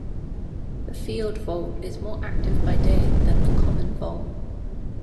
The field vole is more active by day than the common vole.